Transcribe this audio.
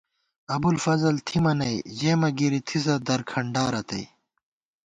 ابُوالفضل تھِمہ نئ، ژېمہ گِری تھِسہ درکھنڈارتئ